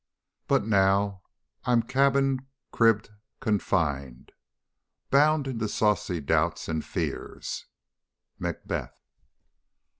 But now, I am cabin'd, cribbed, confin'd, bound in To saucy doubts and fears. MACBETH.